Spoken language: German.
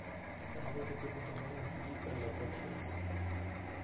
Er arbeitete unter anderem für die Bell Laboratories.